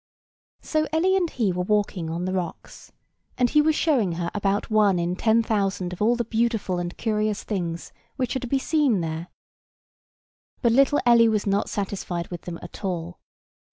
So Ellie and he were walking on the rocks, and he was showing her about one in ten thousand of all the beautiful and curious things which are to be seen there. But little Ellie was not satisfied with them at all.